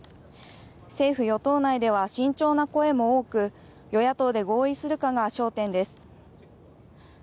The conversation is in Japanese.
政府・与党内では慎重な声も多く与野党で合意するかが焦点です。